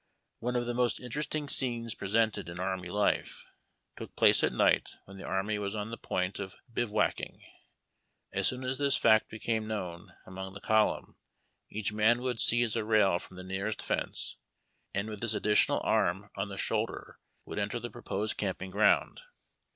One of the most interesting scenes presented in array life took place at night when the army was on the point of bivouacking. As soon as this fact became known along the column, each man would seize a rail from the nearest fence, and with this additional arm on the shoulder would enter the proposed camping ground.